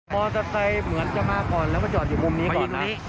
มอเตอร์ไซค์เหมือนจะมาก่อนแล้วก็จอดยังมุมนี้ลงไป